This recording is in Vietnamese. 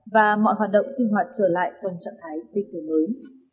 và mọi hoạt động sinh hoạt trở lại trong trạng thái tích cửa mới